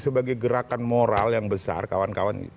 sebagai gerakan moral yang besar kawan kawan